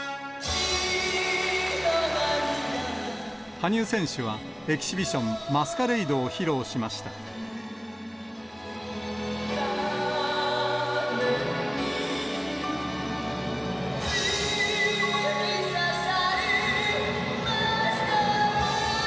羽生選手は、エキシビション、マスカレイドを披露しました。